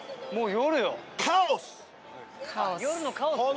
夜のカオス。